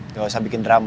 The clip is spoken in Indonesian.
gak usah bikin drama